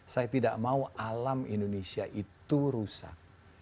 saya tidak mau alam indonesia itu rusak